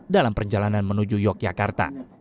dalam perjalanan menuju yogyakarta